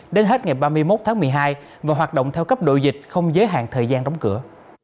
đến hết ngày ba mươi một tháng một mươi hai và hoạt động theo cấp độ dịch không giới hạn thời gian đóng cửa